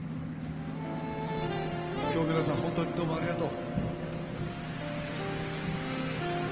今日は皆さん本当にどうもありがとう。